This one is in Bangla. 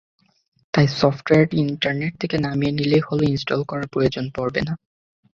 তাই সফটওয়্যারটি ইন্টারনেট থেকে নামিয়ে নিলেই হলো, ইনস্টল করার প্রয়োজন পড়বে না।